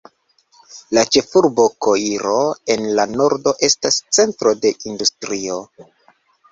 La ĉefurbo Koiro en la nordo estas centro de industrio.